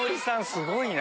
すごいな。